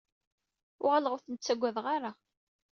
Uɣaleɣ ur ten-ttaggadeɣ ara.